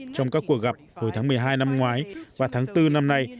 trong các cuộc gặp hồi tháng một mươi hai năm ngoái và tháng bốn năm nay